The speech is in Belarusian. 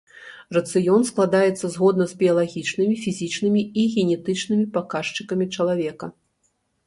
Рацыён складаецца згодна з біялагічнымі, фізічнымі і генетычнымі паказчыкамі чалавека.